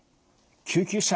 「救急車！